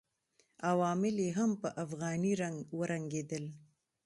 عوامل یې هم په افغاني رنګ ورنګېدل.